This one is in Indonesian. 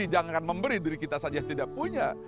jangan memberi diri kita saja yang tidak punya